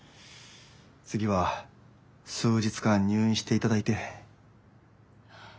次は数日間入院していただいて。